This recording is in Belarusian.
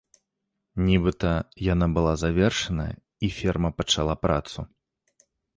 Нібыта, яна была завершаная і ферма пачала працу.